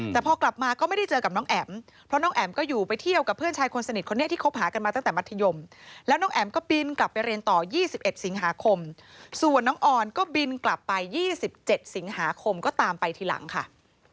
แต่พอกลับมาก็ไม่ได้เจอกับน้องแอ๋มเพราะน้องแอ๋มก็อยู่ไปเที่ยวกับเพื่อนชายคนสนิทคนนี้ที่คบหากันมาตั้งแต่มัธยมแล้วน้องแอ๋มก็บินกลับไปเรียนต่อ๒๑สิงหาคมส่วนน้องออนก็บินกลับไป๒๗สิงหาคมก็ตามไปทีหลังค่ะ